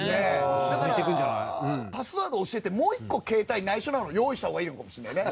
だからパスワードを教えてもう１個携帯内緒なの用意した方がいいのかもしれないね。